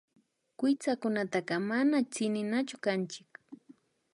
Kuytsakunataka mana tsininachu kanchik